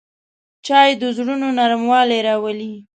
چای د زړونو نرموالی راولي